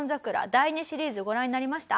第２シリーズご覧になりました？